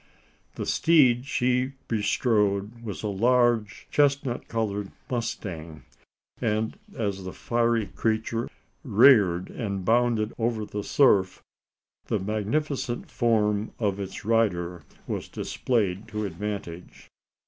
The steed she bestrode was a large chestnut coloured mustang; and as the fiery creature reared and bounded over the turf, the magnificent form of its rider was displayed to advantage.